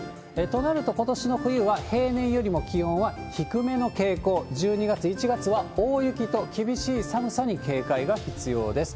となると、ことしの冬は平年よりも気温は低めの傾向、１２月、１月は大雪と厳しい寒さに警戒が必要です。